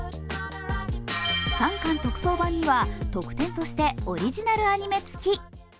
３巻特装版には、特典としてオリジナルアニメ付き。